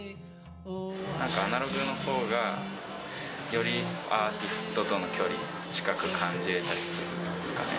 なんか、アナログのほうがよりアーティストとの距離、近く感じれたりするからですかね。